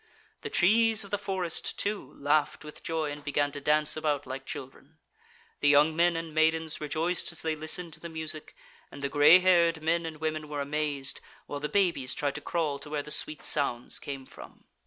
The trees of the forest, too, laughed with joy and began to dance about like children. The young men and maidens rejoiced as they listened to the music, and the gray haired men and women were amazed, while the babies tried to crawl to where the sweet sounds came from.